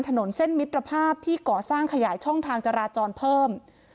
ถนนเส้นมิตรภาพที่ก่อสร้างขยายช่องทางจราจรเพิ่ม